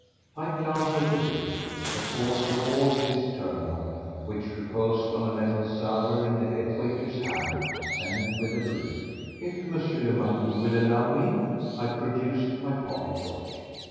I glanced at the bill, the cause of all this turmoil, which reposed on a metal salver in the head waiter's hand, and with a brief: "If M. le Marquis will allow me ..." I produced my pocket book.